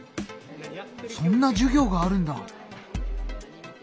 そんな授業があるんだ！